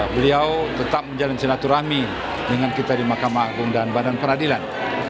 beliau tetap menjalin silaturahmi dengan kita di mahkamah agung dan badan peradilan